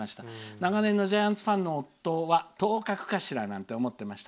長年のジャイアンツファンの夫は当確かしらと思っていました。